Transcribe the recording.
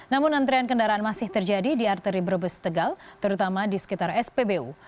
namun antrian kendaraan masih terjadi di arteri brebes tegal terutama di sekitar spbu